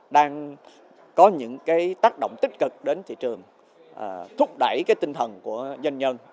đang có những tác động tích cực đến thị trường thúc đẩy cái tinh thần của doanh nhân